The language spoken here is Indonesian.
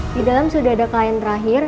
di dalam sudah ada kain terakhir